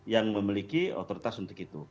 yang memiliki otoritas untuk itu